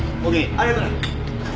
ありがとね。